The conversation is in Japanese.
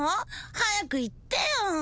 早く言ってよ